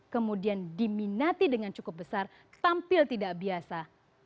kemudian diminati dengan cukup besar tampil tidak biasa